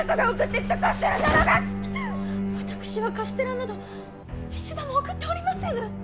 私はカステラなど一度も送っておりませぬ！